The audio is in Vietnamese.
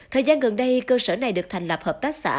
thời gian gần đây cơ sở này được thành lập hợp tác xã